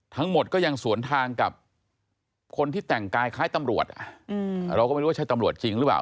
ทั้งหมดก็ยังสวนทางกับคนที่แต่งกายคล้ายตำรวจเราก็ไม่รู้ว่าใช่ตำรวจจริงหรือเปล่า